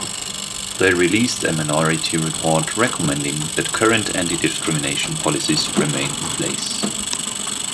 They released a minority report recommending that current anti-discrimination policies remain in place.